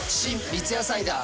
三ツ矢サイダー』